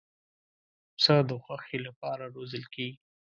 پسه د غوښې لپاره روزل کېږي.